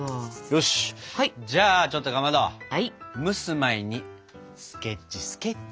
よしじゃあちょっとかまど蒸す前にスケッチスケッチ。